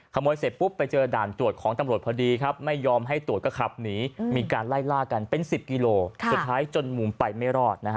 เสร็จปุ๊บไปเจอด่านตรวจของตำรวจพอดีครับไม่ยอมให้ตรวจก็ขับหนีมีการไล่ล่ากันเป็น๑๐กิโลสุดท้ายจนมุมไปไม่รอด